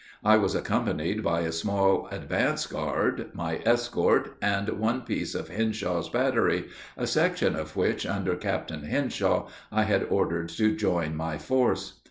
I was accompanied by a small advance guard, my escort, and one piece of Henshaw's battery, a section of which, under Captain Henshaw, I had ordered to join my force.